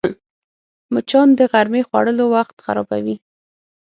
مچان د غرمې خوړلو وخت خرابوي